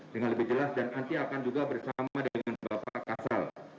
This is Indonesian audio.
dengan lebih jelas dan nanti akan juga bersama dengan bapak kasal